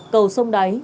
cầu sông đáy